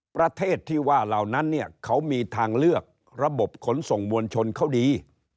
ประเทศที่ว่าเหล่านั้นเนี่ยเขามีทางเลือกระบบขนส่งมวลชนเขาดี